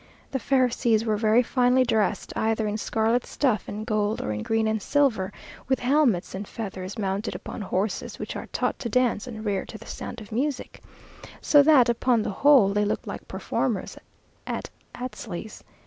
The Pharisees were very finely dressed, either in scarlet stuff and gold or in green and silver, with helmets and feathers, mounted upon horses which are taught to dance and rear to the sound of music, so that upon the whole they looked like performers at Astley's.